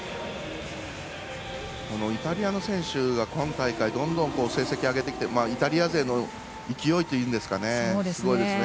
イタリアの選手が今大会どんどん成績を上げてきてイタリア勢の勢いというんですかねすごいですね。